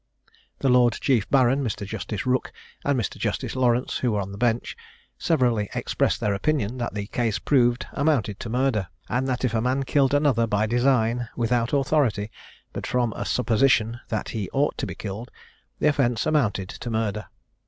The Lord Chief Baron, Mr. Justice Rooke, and Mr. Justice Lawrence, who were on the Bench, severally expressed their opinion, that the case proved amounted to murder; and that if a man killed another by design, without authority, but from a supposition that he ought to be killed, the offence amounted to murder.